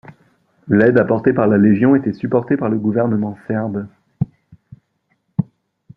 L’aide apportée par la Légion était supportée par le gouvernement serbe.